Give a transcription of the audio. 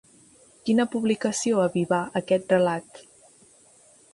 Quina publicació avivà aquest relat?